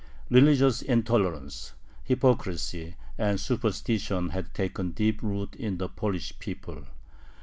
Religious intolerance, hypocrisy, and superstition had taken deep root in the Polish people.